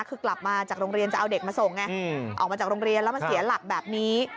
คือกลับมาจากโรงเรียนจะเอาเด็กมาส่งไงออกมาจากโรงเรียนแล้วมาเสียหลักแบบนี้